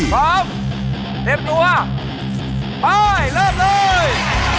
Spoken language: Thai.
พร้อมเด็ดตัวไปเริ่มเลย